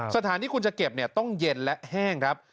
สถานที่คุณจะเก็บต้องเย็นและแห้งครับ